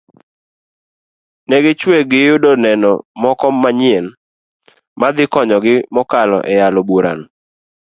negichwe giyudo neno moko manyien madhi konyogi mokalo eyalo burano